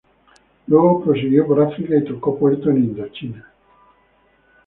Luego prosiguió por África y tocó puerto en Indochina.